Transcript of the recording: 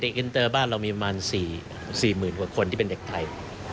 อินเตอร์บ้านเรามีประมาณ๔๐๐๐กว่าคนที่เป็นเด็กไทย